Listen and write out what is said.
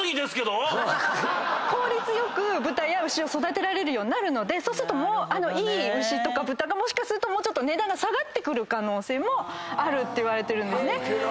効率良く豚や牛を育てられるようになるのでいい牛とか豚がもしかすると値段が下がってくる可能性もあるっていわれてるんですね。